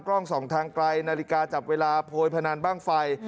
กล้องส่องทางไกลนาฬิกาจับเวลาโพยพนันบ้างไฟ